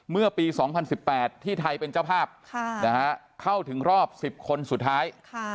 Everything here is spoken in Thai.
เมื่อปี๒๐๑๘ที่ไทยเป็นเจ้าภาพเข้าถึงรอบ๑๐คนสุดท้าย